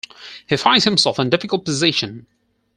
He finds himself in a difficult position.